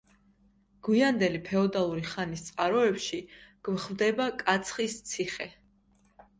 გვიანდელი ფეოდალური ხანის წყაროებში გვხვდება „კაცხის ციხე“.